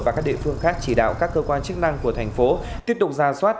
và các địa phương khác chỉ đạo các cơ quan chức năng của thành phố tiếp tục ra soát